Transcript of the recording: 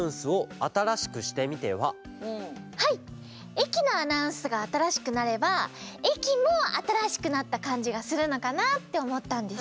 えきのアナウンスがあたらしくなればえきもあたらしくなったかんじがするのかなっておもったんです。